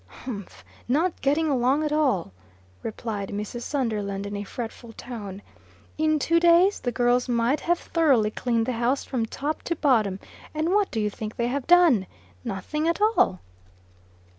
"Humph! Not getting along at all!" replied Mrs. Sunderland, in a fretful tone. "In two days, the girls might have thoroughly cleaned the house from top to bottom, and what do you think they have done? Nothing at all!"